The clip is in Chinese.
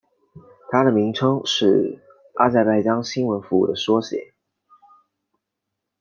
它的名称是阿塞拜疆新闻服务的缩写。